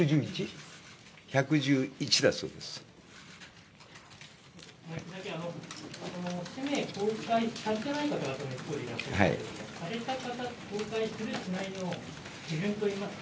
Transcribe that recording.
１１１だそうです。